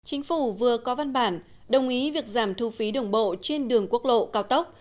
chính phủ vừa có văn bản đồng ý việc giảm thu phí đường bộ trên đường quốc lộ cao tốc